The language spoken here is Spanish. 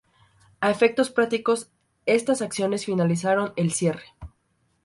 A efectos prácticos, estas acciones finalizaron el cierre.